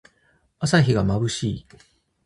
朝日がまぶしい。